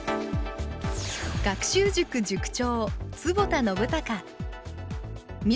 学習塾塾長